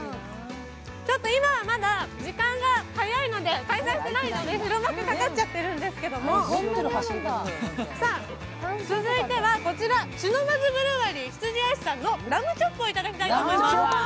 今はまだ時間が早いので開催していないので白幕かかっちゃっているんですけど、続いてはこちら、シノバブブルワリー、ひつじあいすさんのラムチョップをいただきたいと思います。